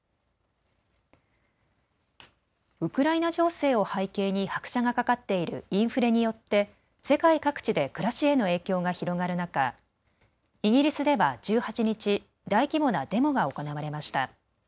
ウクライナ情勢を背景に拍車がかかっているインフレによって世界各地で暮らしへの影響が広がる中、イギリスでは１８日、大規模なデモが行われました。